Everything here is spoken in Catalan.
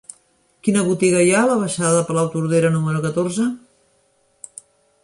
Quina botiga hi ha a la baixada de Palautordera número catorze?